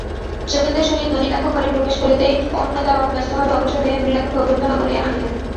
যোগেন্দ্রের সহিত নলিনাক্ষ ঘরে প্রবেশ করিতেই অন্নদাবাবু ব্যস্তভাবে অগ্রসর হইয়া নলিনাক্ষকে অভ্যর্থনা করিয়া আনিলেন।